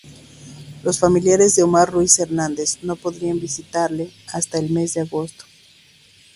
Los familiares de Omar Ruiz Hernández no podrían visitarle hasta el mes de agosto.